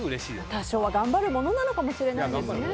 多少はそういうものなのかもしれないですね。